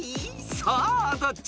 ［さあどっち？］